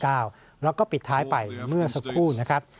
แล้วก็ปิดท้ายไปเมื่อสักครู่นะครับ